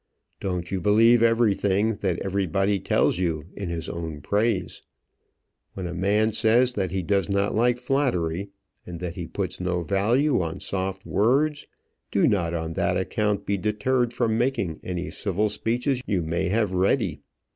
Don't you believe everything that everybody tells you in his own praise: when a man says that he does not like flattery, and that he puts no value on soft words, do not on that account be deterred from making any civil speeches you may have ready.